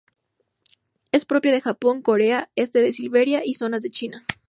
Es propia de Japón, Corea, este de Siberia y zonas de China.